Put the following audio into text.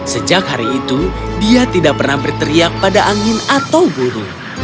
sejak hari itu dia tidak pernah berteriak pada angin atau burung